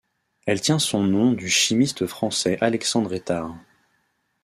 Elle tient son nom du chimiste français Alexandre Étard.